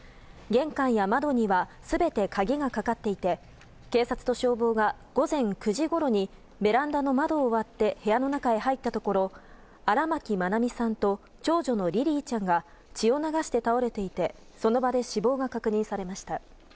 玄関や窓には全て鍵がかかっていて警察と消防が午前９時ごろにベランダの窓を割って部屋の中へ入ったところ荒牧愛美さんと長女のリリィちゃんが血を流して倒れていてその場で死亡が確認されました。